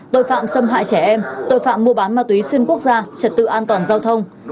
tội phạm xâm hại trẻ em tội phạm mua bán ma túy xuyên quốc gia trật tự an toàn giao thông